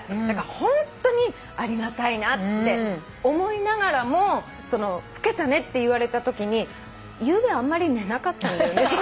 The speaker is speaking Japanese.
ホントにありがたいなって思いながらも「老けたね」って言われたときにゆうべあんまり寝なかったんだよねとか。